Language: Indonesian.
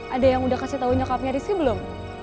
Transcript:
ada yang udah kasih tau nyokapnya disi belum